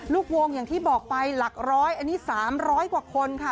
ลูกวงอย่างที่บอกไปหลักร้อยอันนี้๓๐๐กว่าคนค่ะ